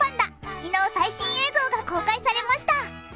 昨日、最新映像が公開されました。